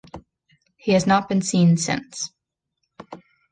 He has not been seen since.